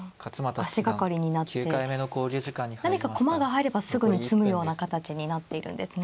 足掛かりになって何か駒があればすぐに詰むような形になっているんですね。